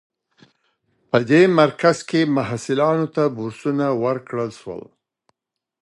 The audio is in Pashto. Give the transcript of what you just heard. په دې مرکز کې محصلانو ته بورسونه ورکړل شول.